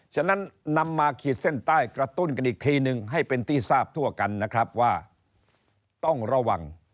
ฉะนั้นนำมาขีดเส้นใต้กระตุ้นกันอีกทีนึงให้เป็นที่ทราบทั่วกันนะครับว่าต้องระวัง